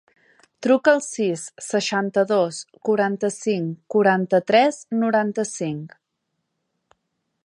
Truca al sis, seixanta-dos, quaranta-cinc, quaranta-tres, noranta-cinc.